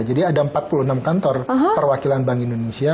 jadi ada empat puluh enam kantor perwakilan bank indonesia